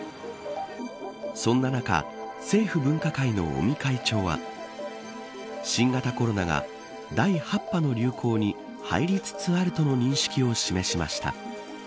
そんな中政府分科会の尾身会長は新型コロナが第８波の流行に入りつつあるとの認識を示しました。